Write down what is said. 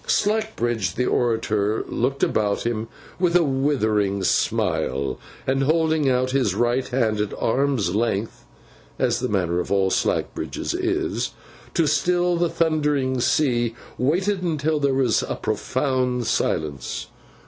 Slackbridge, the orator, looked about him with a withering smile; and, holding out his right hand at arm's length (as the manner of all Slackbridges is), to still the thundering sea, waited until there was a profound silence.